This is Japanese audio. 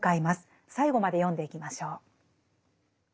最後まで読んでいきましょう。